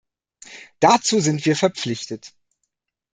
Dazu sind wir verpflichtet.